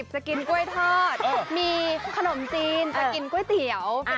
พี่ทอดมีขนมจีนกินก๋วยเตี๋ยว